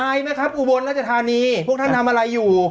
อายนะครับอุบลรัชธานีพวกท่านทำอะไรอยู่